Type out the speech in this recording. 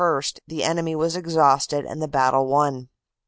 1 the enemy was exhausted and the battle won.